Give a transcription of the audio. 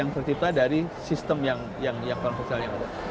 tertipu dari sistem yang konvensional yang ada